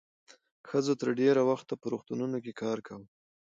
ښځو تر ډېره وخته په روغتونونو کې کار کاوه.